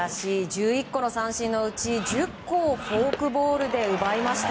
１１個の三振のうち、１０個をフォークボールで奪いました。